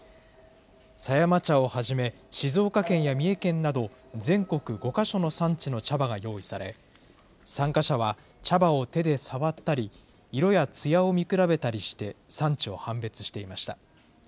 狭山茶をはじめ、静岡県や三重県など、全国５か所の産地の茶葉が用意され、参加者は茶葉を手で触ったり、色やつやを見比べたりして、産地を判別していました。